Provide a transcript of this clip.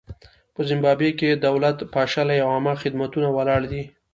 په زیمبابوې کې دولت پاشلی او عامه خدمتونه ولاړ دي.